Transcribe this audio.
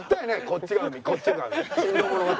こっちが海こっちが海。